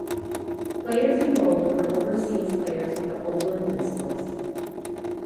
Players in Bold were overseas players for the Oval Invincibles.